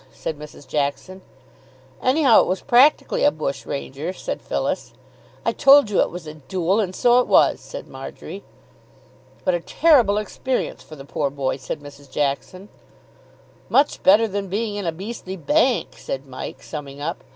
said Mrs. Jackson. "Anyhow, it was practically a bushranger," said Phyllis. "I told you it was a duel, and so it was," said Marjory. "What a terrible experience for the poor boy!" said Mrs. Jackson. "Much better than being in a beastly bank," said Mike, summing up.